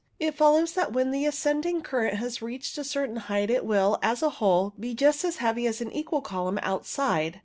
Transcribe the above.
It follows that when the ascending current has reached a certain height it will, as a whole, be just as heavy as an equal column outside.